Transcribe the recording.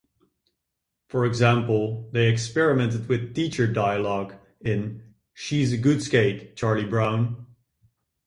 For example, they experimented with teacher dialogue in "She's a Good Skate, Charlie Brown".